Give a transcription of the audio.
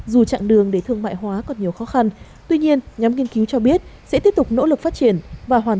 dù chặng đường để thương mại hóa còn nhiều khó khăn